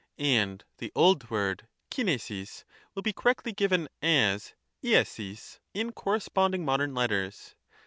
And the old word Kivrjaig will be correctly given as haig in correspondmg modern letters.